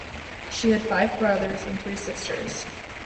She had five brothers and three sisters.